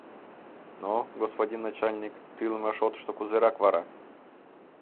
— Но, господин начальник, тӱлымӧ шотышто кузерак вара?